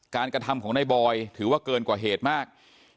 กระทำของนายบอยถือว่าเกินกว่าเหตุมาก